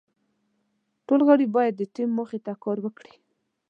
ټول غړي باید د ټیم موخې ته کار وکړي.